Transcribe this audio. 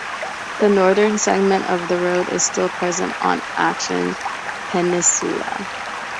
The northern segment of the road is still present on Acton peninsula.